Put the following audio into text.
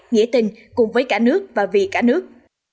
nghĩa tình cùng với cả nước và vì cả nước